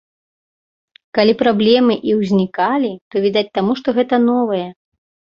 Калі праблемы і ўзнікалі, то, відаць, таму што гэта новае.